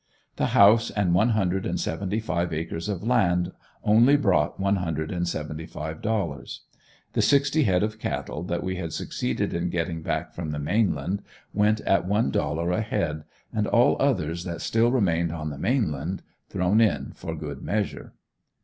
The house and one hundred and seventy five acres of land only brought one hundred and seventy five dollars. The sixty head of cattle that we had succeeded in getting back from the mainland went at one dollar a head and all others that still remained on the mainland thrown in for good measure.